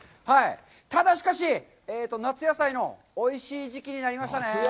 ただ、しかし、夏野菜のおいしい時期になりましたね。